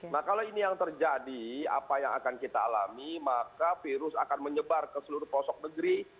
nah kalau ini yang terjadi apa yang akan kita alami maka virus akan menyebar ke seluruh pelosok negeri